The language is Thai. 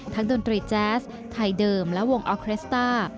ดนตรีแจ๊สไทยเดิมและวงออเครสต้า